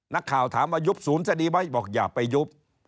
นักข่าวถามว่ายุบศูนย์สดีไหมบอกอย่าไปยุบ